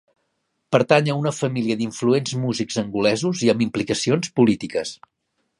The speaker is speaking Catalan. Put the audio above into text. Pertany a una família d'influents músics angolesos i amb implicacions polítiques.